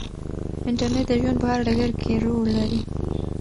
انټرنیټ د ژوند په هر ډګر کې رول لري.